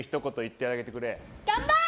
頑張れ！